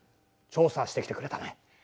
調査してきてくれたまえ。